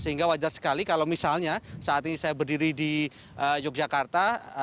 sehingga wajar sekali kalau misalnya saat ini saya berdiri di yogyakarta